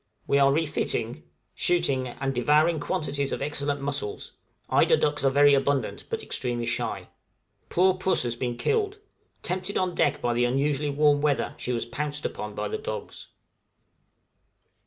We are refitting, shooting, and devouring quantities of excellent mussels; eider ducks are very abundant, but extremely shy. Poor puss has been killed; tempted on deck by the unusually warm weather, she was pounced upon by the dogs.